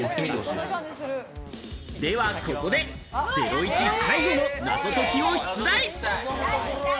ではここで、『ゼロイチ』最後の謎解きを出題。